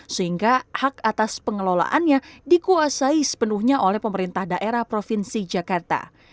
sehingga hak atas pengelolaannya dikuasai sepenuhnya oleh pemerintah daerah provinsi jakarta